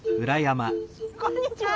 こんにちは。